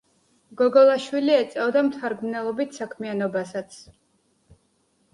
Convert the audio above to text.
გოგოლაშვილი ეწეოდა მთარგმნელობით საქმიანობასაც.